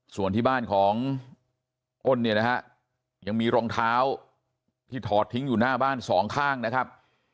ส่วนที่บ้านของอ้นเนี่ยนะฮะยังมีรองเท้าที่ถอดทิ้งอยู่หน้าบ้านสองข้างนะครับ